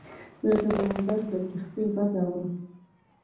زه د بندر د کښتۍ غږ اورم.